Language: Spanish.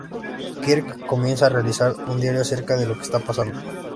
Kirk comienza a realizar un diario acerca de lo que está pasando.